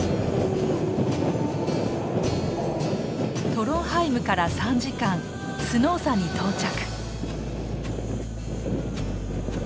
トロンハイムから３時間スノーサに到着。